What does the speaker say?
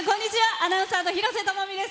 アナウンサーの廣瀬智美です。